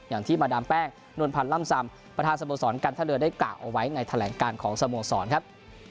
อย่างที่มาดามแป้งนวลพันธ์ล่ำซำประธานสโมสรการท่าเรือได้กล่าวเอาไว้ในแถลงการของสโมสรครับ